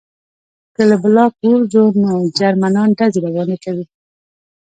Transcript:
که له بلاک ووځو نو جرمنان ډزې راباندې کوي